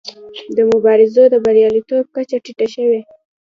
د مبارزو د بریالیتوب کچه ټیټه شوې.